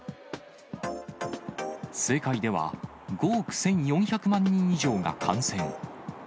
世界では５億１４００万人以上が感染。